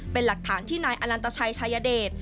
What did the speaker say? เป็นหลักฐานที่นายอนันตชัยชายเดช